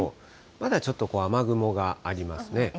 まだちょっと雨雲がありますね。